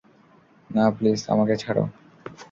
না প্লিজ, আমাকে ছাড়ো!